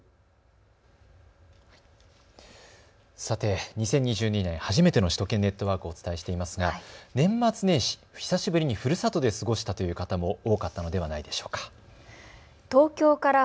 さて、２０２２年、初めての首都圏ネットワークをお伝えしていますが、年末年始久しぶりにふるさとで過ごしたという方も多かったのではないでしょうか。